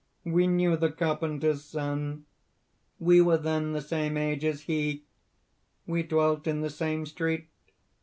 We knew the Carpenter's Son! We were then the same age as he; we dwelt in the same street.